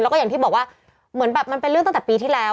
แล้วก็อย่างที่บอกว่าเหมือนแบบมันเป็นเรื่องตั้งแต่ปีที่แล้ว